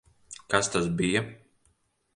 Kas tas bija?